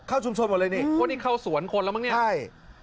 เข้าสุ่มส่วนหมดเลยนี่พวกนี้เข้าสวนคนละมั้งเนี่ย